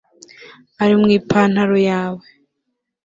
ari mu ipantaro yawe